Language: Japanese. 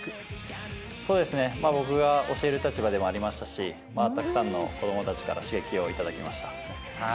僕が教える立場でもありましたしたくさんの子供たちから刺激をいただきました。